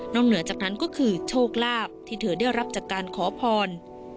เหนือจากนั้นก็คือโชคลาภที่เธอได้รับจากการขอพร